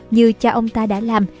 như cha ông ta đã làm